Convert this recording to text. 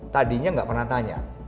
tadinya gak pernah tanya